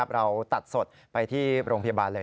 เราตัดสดไปที่โรงพยาบาลเลย